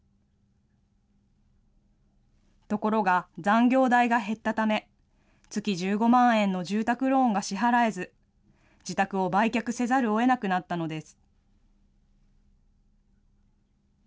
ところが、残業代が減ったため、月１５万円の住宅ローンが支払えず、自宅を売却せざるをえなくなったのです。